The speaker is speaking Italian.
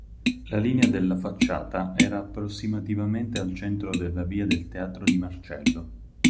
La linea della facciata era approssimativamente al centro della Via del Teatro di Marcello.